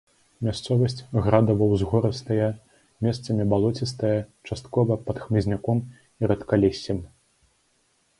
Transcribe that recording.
Мясцовасць градава-ўзгорыстая, месцамі балоцістая, часткова пад хмызняком і рэдкалессем.